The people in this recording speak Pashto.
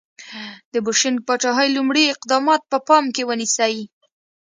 د بوشنګ پاچاهۍ لومړي اقدامات په پام کې ونیسئ.